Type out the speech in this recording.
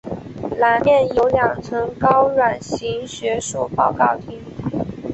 南面有两层高卵形学术报告厅。